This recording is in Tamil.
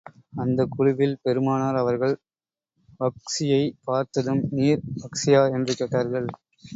அந்தக் குழுவில், பெருமானார் அவர்கள், வஹ்ஷியைப் பார்த்ததும் நீர் வஹ்ஷியா? என்று கேட்டார்கள்.